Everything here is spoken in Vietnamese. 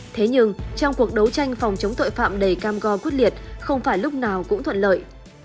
thế nhưng trong cuộc đấu tranh phòng chống tội phạm đầy cam go quyết liệt không phải lúc nào cũng thuận lợi